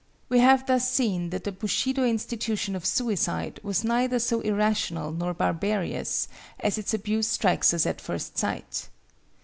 ] We have thus seen that the Bushido institution of suicide was neither so irrational nor barbarous as its abuse strikes us at first sight.